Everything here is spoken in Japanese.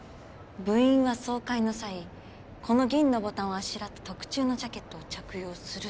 「部員は総会の際この銀のボタンをあしらった特注のジャケットをする」って。